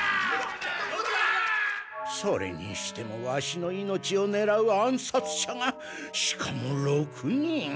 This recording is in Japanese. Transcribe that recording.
それにしてもワシの命をねらう暗殺者がしかも６人。